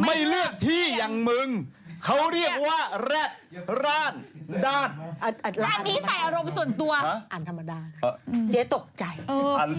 ไม่เลือกที่อย่างมึงเขาเรียกว่ารรร้านดาน